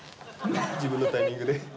自分のタイミングで。